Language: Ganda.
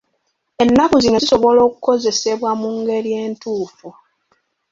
Ennaku zino zisobola okukozesebwa mu ngeri entuufu.